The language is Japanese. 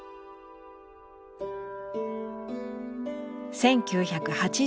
１９８２年帰国。